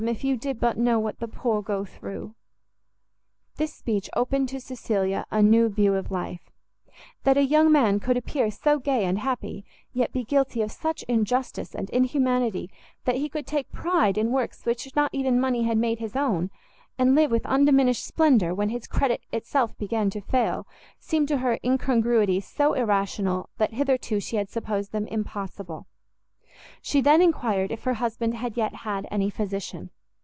if you did but know what the poor go through!" This speech opened to Cecilia a new view of life; that a young man could appear so gay and happy, yet be guilty of such injustice and inhumanity, that he could take pride in works which not even money had made his own, and live with undiminished splendor, when his credit itself began to fail, seemed to her incongruities so irrational, that hitherto she had supposed them impossible. She then enquired if her husband had yet had any physician?